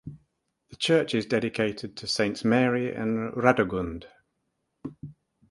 The church is dedicated to Saints Mary and Radegund.